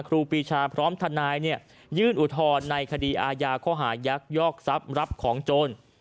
ครูปีชาพร้อมทนายยื่นอุทธรณ์ในคดีอาญาข้อหายักยอกทรัพย์รับของโจร